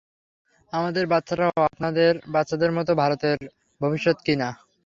আমাদের বাচ্চারাও আপনাদের বাচ্চাদের মতো ভারতের ভবিষ্যত কি না?